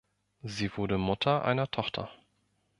Sie wurde Mutter einer Tochter.